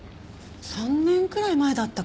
３年くらい前だったかな